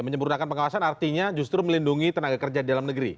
menyempurnakan pengawasan artinya justru melindungi tenaga kerja di dalam negeri